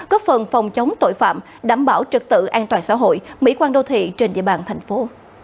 góp phần phòng chống tội phạm đảm bảo trực tự an toàn xã hội mỹ quan đô thị trên địa bàn thành phố